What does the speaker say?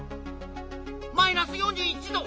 マイナス４１度！